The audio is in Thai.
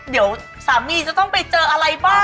เดี๋ยวสามีจะต้องไปเจออะไรบ้าง